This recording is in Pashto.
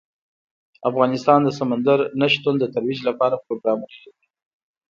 افغانستان د سمندر نه شتون د ترویج لپاره پروګرامونه لري.